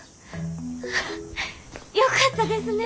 よかったですね！